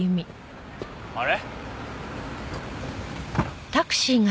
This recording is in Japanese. あれ？